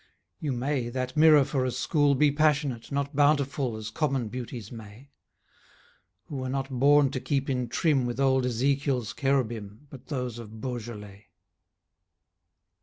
You may, that mirror for a school, Be passionate, not bountiful As common beauties may, Who were not born to keep in trim With old Ezekiel's cherubim But those of Beaujolet.